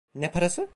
Ne parası?